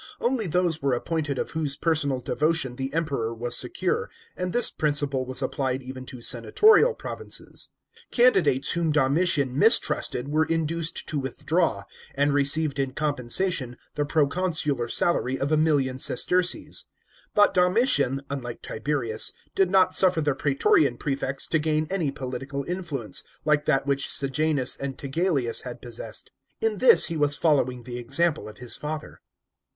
Only those were appointed of whose personal devotion the Emperor was secure, and this principle was appli d even to senatotial provinces. Can didates whom Domitian mistrusted were indue* d to withdraw, and received in compensation the proconsular salary of a million sesterces. But Domitian, unlike Tiberius, did not suffer the praetorian prefects to gain any political influence, like that which Sejanus and Tigelliuus had possessed. In this he was following the example of his father.